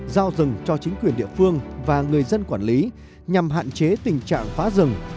giao rừng cho chính quyền địa phương và người dân quản lý nhằm hạn chế tình trạng phá rừng